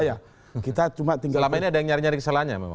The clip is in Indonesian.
selama ini ada yang nyari nyari kesalahannya